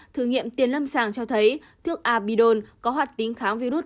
thử nghiệm tiền lâm sàng cho thấy thuốc abidol có hoạt tính kháng virus